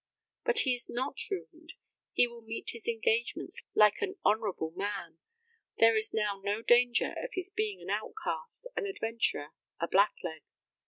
But he is not ruined; he will meet his engagements like an honourable man. There is now no danger of his being an outcast, an adventurer, a black leg.